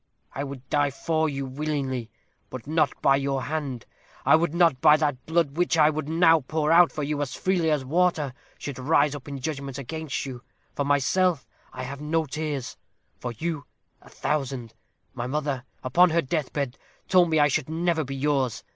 I would die for you willingly but not by your hand. I would not that my blood, which I would now pour out for you as freely as water, should rise up in judgment against you. For myself I have no tears for you, a thousand. My mother, upon her death bed, told me I should never be yours.